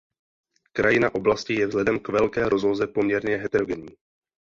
Krajina oblasti je vzhledem k velké rozloze poměrně heterogenní.